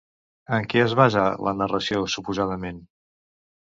En què es basa la narració, suposadament?